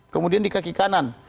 kemudian di kaki kanan